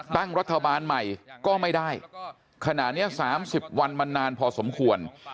ตั้งรัฐบาลใหม่ก็ไม่ได้ขณะนี้๓๐วันมันนานพอสมควร